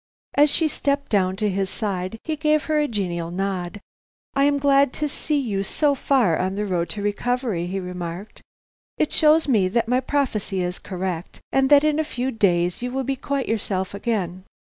As she stepped down to his side he gave her a genial nod. "I am glad to see you so far on the road to recovery," he remarked. "It shows me that my prophecy is correct and that in a few days you will be quite yourself again."